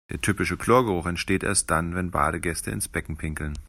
Der typische Chlorgeruch entsteht erst dann, wenn Badegäste ins Becken pinkeln.